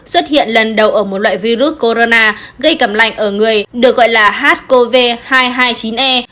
xuất hiện lần đầu ở một loại virus corona gây cầm lạnh ở người được gọi là hcov hai trăm hai mươi chín e